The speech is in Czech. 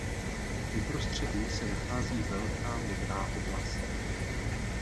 Uprostřed ní se nachází velká modrá oblast.